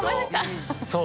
そう。